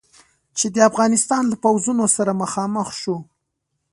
چې د افغانستان له پوځونو سره مخامخ شو.